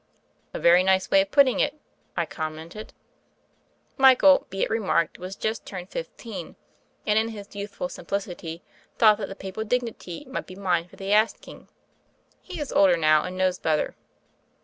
"A very nice way of putting it," I com mented. Michael, be it remarked, was just turned fif teen, and, in his youthful simplicity, thought that the papal dignity might be mine for the asking. He is older now, and knows better.